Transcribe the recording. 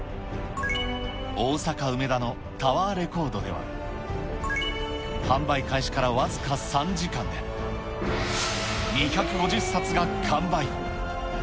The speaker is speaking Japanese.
大阪・梅田のタワーレコードでは、販売開始から僅か３時間で、２５０冊が完売。